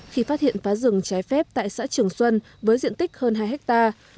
khi phát hiện phá rừng trái phép tại xã trường xuân với diện tích hơn hai hectare